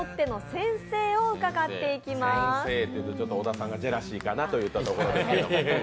先生というと、ちょっと小田さんがジェラシーかなというところですけど。